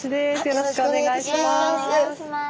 よろしくお願いします。